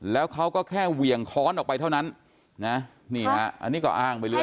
แล้วเขาก็แค่เหวี่ยงค้อนออกไปเท่านั้นนะนี่ฮะอันนี้ก็อ้างไปเรื